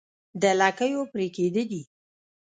د لکيو پرې کېده دي